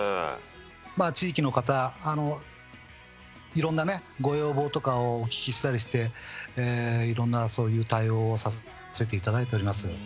まあ地域の方いろんなねご要望とかをお聞きしたりしていろんなそういう対応をさせて頂いております。